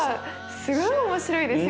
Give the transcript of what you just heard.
すごい面白いですよね。